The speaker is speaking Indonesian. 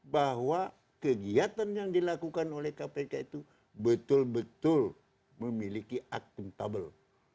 bahwa kegiatan yang dilakukan oleh kpk itu betul betul memiliki akuntabel